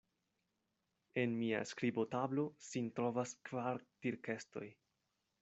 En mia skribotablo sin trovas kvar tirkestoj.